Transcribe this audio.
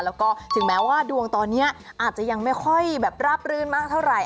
แล้วก็ถึงแม้ว่าดวงตอนนี้อาจจะยังไม่ค่อยแบบราบรื่นมากเท่าไหร่